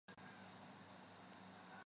弗拉内人口变化图示